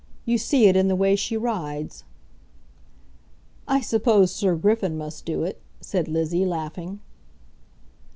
You see it in the way she rides." "I suppose Sir Griffin must do it," said Lizzie laughing.